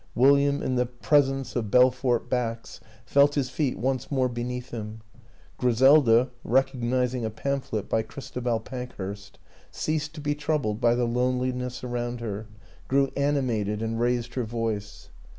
William in the pres ence of Belfort Bax felt his feet once more be neath him; Griselda, recognizing a pamphlet by Christabel Pankhurst, ceased to be troubled by the loneliness around her, grew animated and raised her voice.